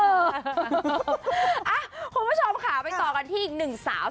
คุณผู้ชมค่ะไปต่อกันที่อีกหนึ่งสาว